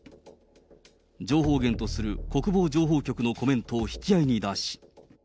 情報源とする国防情報局のコメントを引き合いに出し。